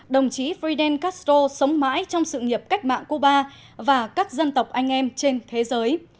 đồng chí fridan castro sống mãi trong sự nghiệp cách mạng cuba và các dân tộc anh em trên thế giới